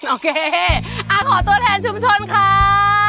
โอเคขอตัวแทนชุมชนค่ะ